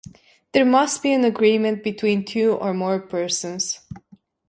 There must be an agreement between two or more persons.